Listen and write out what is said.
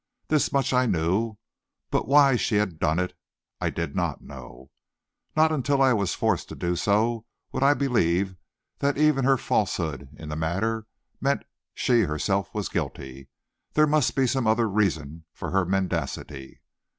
This much I knew, but why she had done it, I did not know. Not until I was forced to do so, would I believe that even her falsehood in the matter meant that she herself was guilty. There must be some other reason for her mendacity.